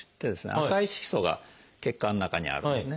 赤い色素が血管の中にあるんですね。